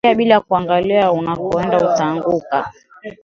Kukimbia bila kuangalia unakoenda utaanguka